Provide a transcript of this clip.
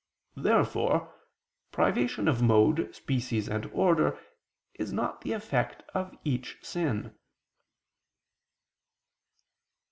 Therefore privation of mode, species and order is not the effect of each sin.